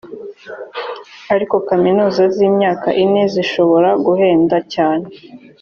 ariko kaminuza z imyaka ine zishobora guhenda cyane